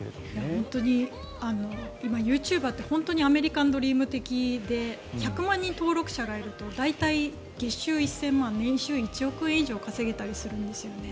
本当に今ユーチューバーってアメリカンドリーム的で１００万人登録者がいると大体、月収１０００万円年収１億円以上稼げたりするんですよね。